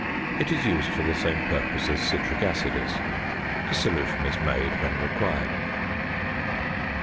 It is used for the same purposes as citric acid is. The solution is made when required.